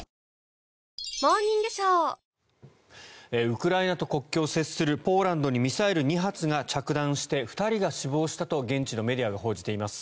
ウクライナと国境を接するポーランドにミサイル２発が着弾して２人が死亡したと現地のメディアが報じています。